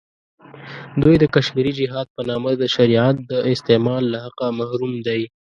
دوی د کشمیري جهاد په نامه د شریعت د استعمال له حقه محروم دی.